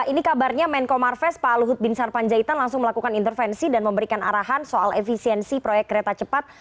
ini kabarnya menko marves pak luhut bin sarpanjaitan langsung melakukan intervensi dan memberikan arahan soal efisiensi proyek kereta cepat